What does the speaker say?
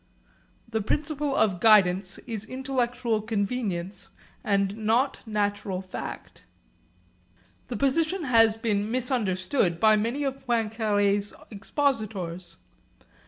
The principle of guidance is intellectual convenience and not natural fact. This position has been misunderstood by many of Poincaré's expositors.